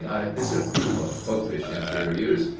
"I disapprove of Popish interiors.